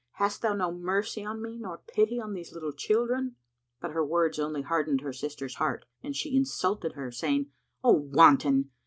Hast thou no mercy on me nor pity on these little children?" But her words only hardened her sister's heart and she insulted her, saying, "O Wanton!